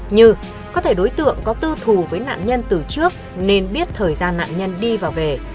như có thể đối tượng có tư thù với nạn nhân từ trước nên biết thời gian nạn nhân đi và về